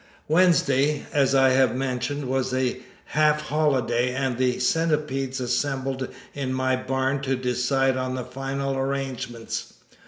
Wednesday, as I have mentioned, was a half holiday, and the Centipedes assembled in my barn to decide on the final arrangements.